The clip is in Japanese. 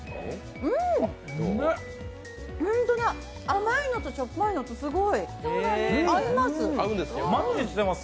甘いのとしょっぱいのとすごい合います。